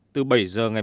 từ bảy giờ ngày